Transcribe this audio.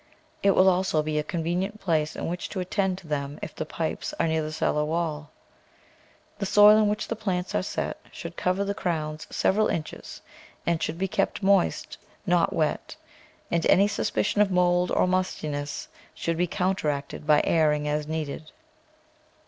It will also be a convenient place in which to attend to them if the pipes are near the cellar wall. The soil in which the plants are set should cover the crowns several inches and should be kept moist — not wet — and any suspicion of mould or mustiness should be counteracted by airing as needed.